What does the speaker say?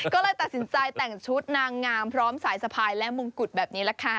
ก็เลยตัดสินใจแต่งชุดนางงามพร้อมสายสะพายและมงกุฎแบบนี้แหละค่ะ